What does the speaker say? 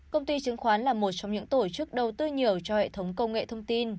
công ty chứng khoán là một trong những tổ chức đầu tư nhiều cho hệ thống công nghệ thông tin